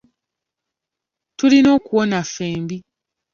Tulina okuwona ffembi.